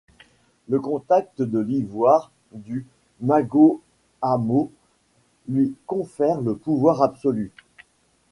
Le contact de l'ivoire du Magohamoth lui confère le pouvoir absolu.